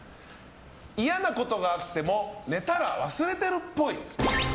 嫌なことがあっても寝たら忘れてるっぽい。